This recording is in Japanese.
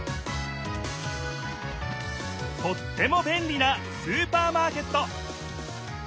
とってもべんりなスーパーマーケット！